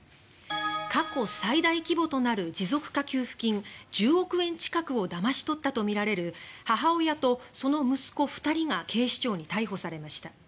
過去最大規模となる持続化給付金１０億円近くをだまし取ったとみられる母親とその息子２人が警視庁に逮捕されました。